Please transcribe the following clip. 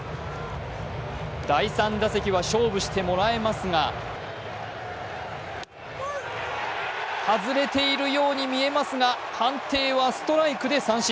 第３打席は勝負してもらえますが外れているように見えますが、判定はストライクで三振。